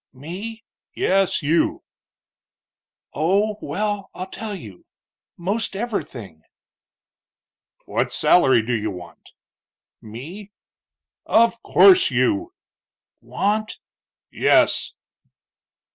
"Me?" "Yes, you." "Oh, well, I'll tell you. Most everything." "What salary do you want?" "Me?" "Of course you." "Want?" "Yes."